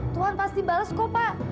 tuhan pasti bales kok pak